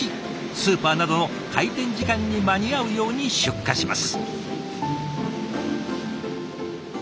スーパーなどの開店時間に間に合うように出荷します。